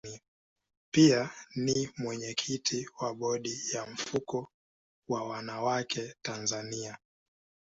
Pia ni mwenyekiti wa bodi ya mfuko wa wanawake Tanzania.